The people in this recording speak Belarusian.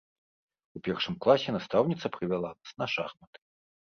У першым класе настаўніца прывяла нас на шахматы.